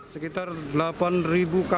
sekitar delapan rupiah